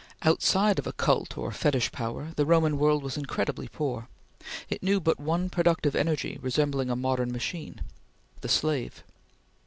Outside of occult or fetish power, the Roman world was incredibly poor. It knew but one productive energy resembling a modern machine the slave.